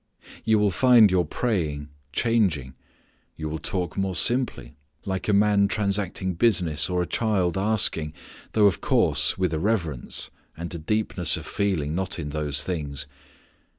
You will find your praying changing. You will talk more simply, like a man transacting business or a child asking, though of course with a reverence and a deepness of feeling not in those things.